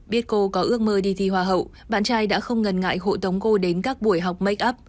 biết cô có ước mơ đi thi hoa hậu bạn trai đã không ngần ngại hộ tống cô đến các buổi học makup